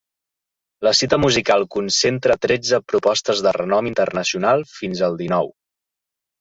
La cita musical concentra tretze propostes de renom internacional fins al dinou.